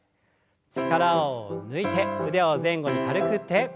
力を抜いて腕を前後に軽く振って。